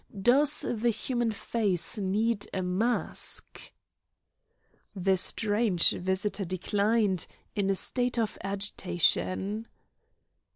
Does the human face need a mask?" The strange visitor declined, in a state of agitation.